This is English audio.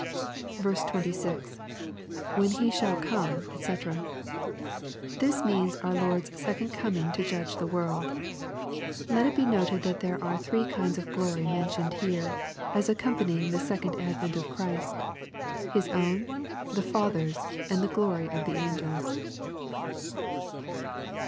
26. — [When he shaU come, dfc.'] This means our Lord's second coming to judge the world. Let it be noted that there are three kinds of glory mentioned here, as accompanying the second advent of Ohnst^ His own, the Father's, and the glory of the angels.